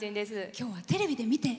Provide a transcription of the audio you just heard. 今日はテレビで見て。